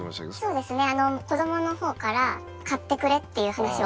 そうですね。